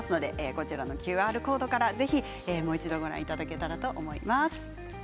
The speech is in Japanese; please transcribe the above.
こちらのＱＲコードからもう一度ご覧いただけたらと思います。